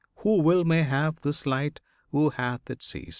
[Who will may have this Light; Who hath it sees.